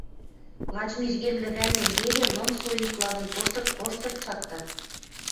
Лач мижгем лӹвӓлнем веле лым со икладын коштырт-коштырт шакта.